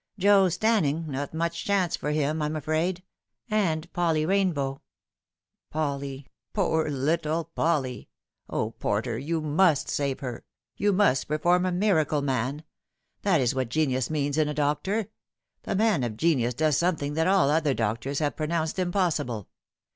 " Joe Stanning not much chance for him, I'm afraid and Polly Rainbow." " Polly poor pretty little Polly I O Porter, you must save her ! You must perform a miracle, man. That is what genius means in a doctor. The man of genius does something that all other doctors have pronounced impossible.